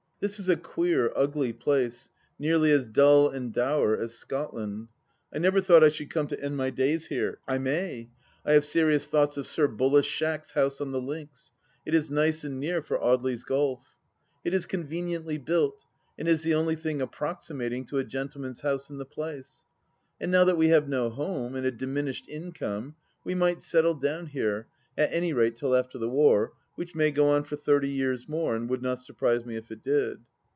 ... This is a queer, ugly place, nearly as dull and dour as Scotland. I never thought I should come to end my days here. ... I may; I have serious thoughts of Sir BuUace Schack's house on the Links : it is nice and near for Audely's golf. It is conveniently built, and is the only thing approxi mating to a gentleman's house in the place. And now that we have no home and a diminished income, we might settle down here, at any rate till after the war, which may go on for thirty years more, and would not surprise me if it did.